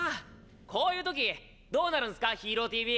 こういう時どうなるんすか「ＨＥＲＯＴＶ」。